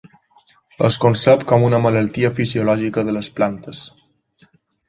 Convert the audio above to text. Es concep com una malaltia fisiològica de les plantes.